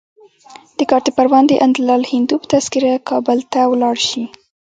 د کارته پروان د انندلال هندو په تذکره کابل ته ولاړ شي.